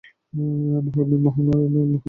মহাকবি হোমার এই মহাকাব্যের রচয়িতা।